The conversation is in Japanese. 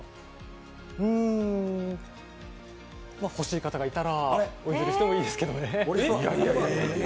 うーん、欲しい方がいたらお譲りしてもいいですけどね。